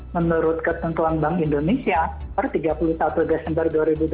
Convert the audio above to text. menurut ketentuan bank indonesia per tiga puluh satu desember dua ribu dua puluh